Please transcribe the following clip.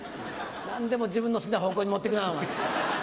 何でも自分の好きな方向に持ってくなお前。